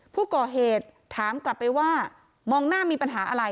ผู้ก่อเหตุถามกลับไปว่ามองหน้ามีปัญหาอะไร